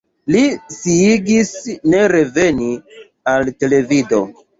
Li sciigis ne reveni al televido.